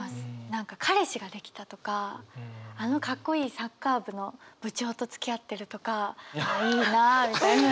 何か彼氏ができたとかあのかっこいいサッカー部の部長とつきあってるとかいいなあみたいな。